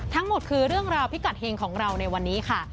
ทั้งหมดคือเรื่องราวพิกัดเฮงของเราในวันนี้ค่ะ